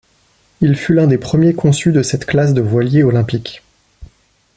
Il fut l'un des premiers conçus de cette classe de voilier olympique.